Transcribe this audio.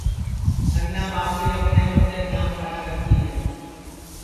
سنا ٻاپڑی اپٹؔیں متے کام کراکرتی ہے